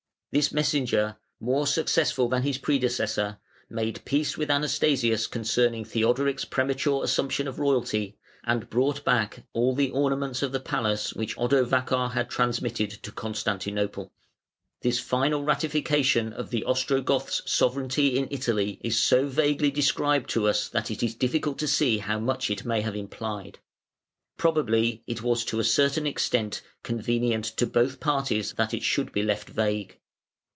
This messenger, more successful than his predecessor, "made peace with Anastasius concerning Theodoric's premature assumption of royalty, and brought back all the ornaments of the palace which Odovacar had transmitted to Constantinople". [Footnote 65: Anon. Valesii.] (497) This final ratification of the Ostrogoth's sovereignty in Italy is so vaguely described to us that it is difficult to see how much it may have implied. Probably it was to a certain extent convenient to both parties that it should be left vague.